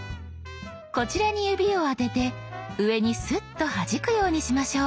こちらに指を当てて上にスッとはじくようにしましょう。